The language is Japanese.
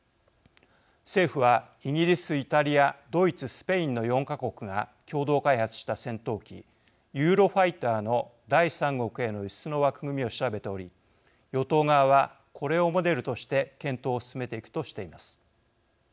政府はイギリス・イタリアドイツ・スペインの４か国が共同開発した戦闘機ユーロファイターの第三国への輸出の枠組みを調べており与党側はこれをモデルとして検討を進めていくとしています。